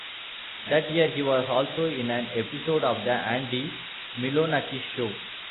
That year, he was also in an episode of "The Andy Milonakis Show".